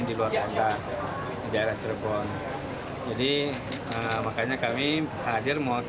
tidak terlalu banyak kamera pak